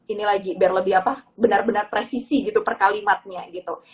ini lagi biar lebih apa benar benar presisi gitu per kalimatnya gitu